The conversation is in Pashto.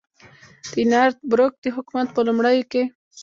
د نارت بروک د حکومت په لومړیو کې.